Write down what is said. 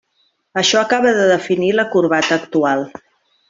Això acaba de definir la corbata actual.